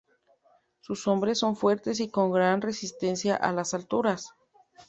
Sus hombres son fuertes y con gran resistencia a las alturas.